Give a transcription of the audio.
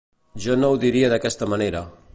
Jo no ho diria d’aquesta manera.